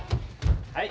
はい。